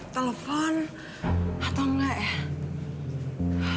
telepon atau enggak ya